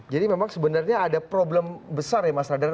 jadi memang sebenarnya ada problem besar ya mas radar